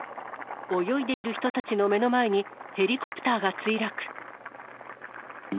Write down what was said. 泳いでいる人たちの目の前にヘリコプターが墜落。